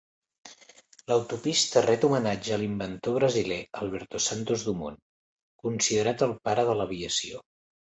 L'autopista ret homenatge a l'inventor brasiler Alberto Santos-Dumont, considerat el "pare de l'aviació".